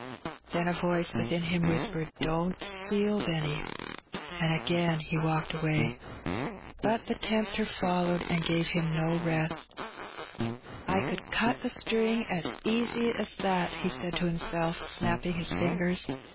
'' Then a voice within him whispered, "Don't steal, Benny," and again he walked away. But the tempter fol lowed and gave him no rest. ~'^ I could cut the string as easy as that,'* he said to him Tempted. 89 self, snapping his fingers.